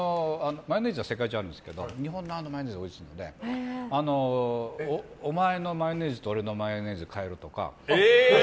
マヨネーズは世界中あるんですけど日本のマヨネーズがおいしいのでお前のマヨネーズと俺のマヨネーズ比べるとか。